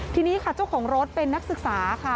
ทีนี้ค่ะเจ้าของรถเป็นนักศึกษาค่ะ